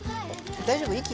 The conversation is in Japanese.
大丈夫？